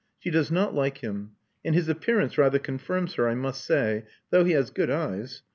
She does not like him; and his appearance rather confirms her, I must say, though he has good eyes.